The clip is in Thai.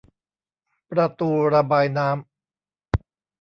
ประตูระบายน้ำ